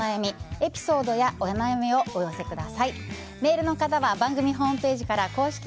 エピソードやお悩みをお寄せください。